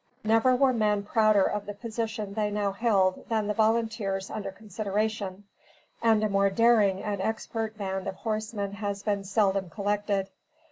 Never were men prouder of the position they now held than the volunteers under consideration; and a more daring and expert band of horsemen has been seldom collected.